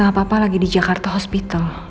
mama sama papa lagi di jakarta hospital